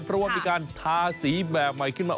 เพราะว่ามีการทาสีแบบใหม่ขึ้นมา